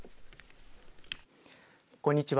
こんにちは。